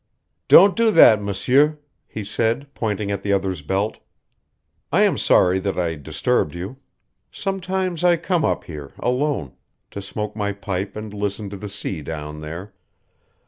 "Don't do that, M'sieur," he said, pointing at the other's belt. "I am sorry that I disturbed you. Sometimes I come up here alone to smoke my pipe and listen to the sea down there.